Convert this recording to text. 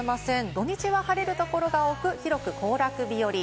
土日は晴れる所が多く、広く行楽日和。